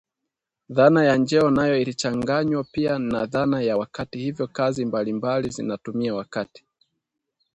Dhana ya njeo nayo, inachanganywa pia na dhana ya wakati, hivyo kazi mbalimbali zinatumia wakati